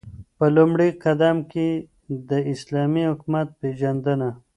په لومړی قدم كې داسلامي حكومت پيژندنه